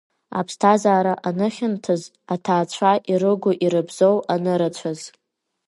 Аԥсҭазаара аныхьанҭаз, аҭаацәа ирыгу-ирыбзоу анырацәаз.